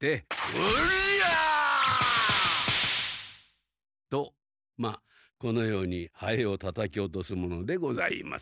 うりゃ！とまあこのようにハエをたたき落とすものでございます。